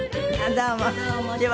どうも。